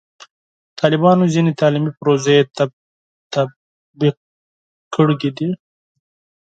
طالبانو ځینې تعلیمي پروژې تطبیق کړي دي.